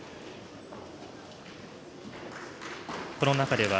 この中では、